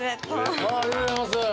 ありがとうございます！